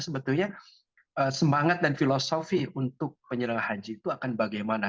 sebetulnya semangat dan filosofi untuk penyelenggara haji itu akan bagaimana